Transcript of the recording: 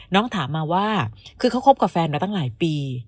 ถามมาว่าคือเขาคบกับแฟนมาตั้งหลายปี